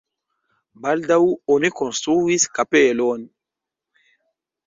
Baldaŭ oni konstruis kapelon.